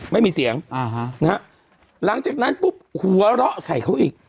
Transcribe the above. ไม่มีเสียงอ่าฮะนะฮะหลังจากนั้นปุ๊บหัวเราะใส่เขาอีก